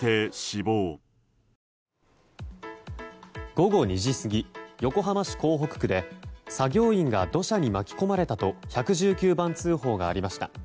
午後２時過ぎ横浜市港北区で作業員が土砂に巻き込まれたと１１９番通報がありました。